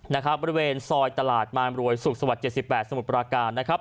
นะครับบริเวณซอยตลาดมามรวยสุขสวัสดิ์๗๘สมุทรปราการนะครับ